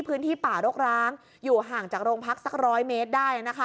พื้นที่ป่ารกร้างอยู่ห่างจากโรงพักสักร้อยเมตรได้นะคะ